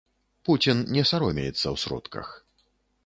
Пуцін не саромеецца ў сродках.